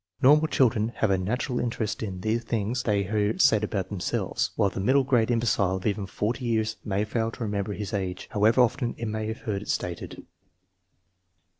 Normal children have a natural interest in the things they hear said about themselves, while the middle grade im becile of even 40 years may fail to remember his age, how ever often he may have heard it stated.